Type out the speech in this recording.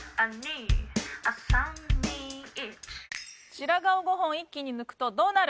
白髪を５本一気に抜くとどうなる？